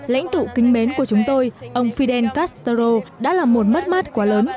lãnh tụ kính mến của chúng tôi ông fidel castro đã là một mất mát quá lớn